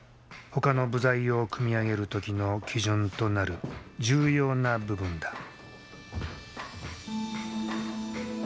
他の部材を組み上げる時の基準となる重要な部分だ。